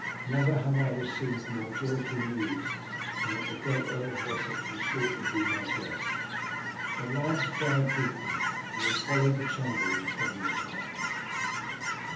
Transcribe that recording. Never have I received more joyful news than that the great Earl of Wessex will shortly be my guest." The lads bowed deeply, and then followed the chamberlain from the apartment.